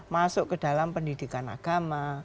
masuk ke dalam pendidikan agama